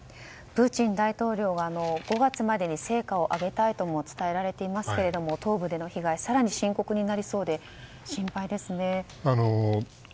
プーチン大統領は５月までに成果を上げたいとも伝えられていますけども東部での被害が更に深刻になりそうで心配ですね。